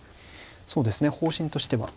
そうですね方針としては。